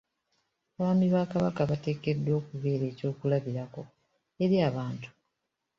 Abaami ba Kabaka bateekeddwa okubeera ekyokulabirako eri abantu.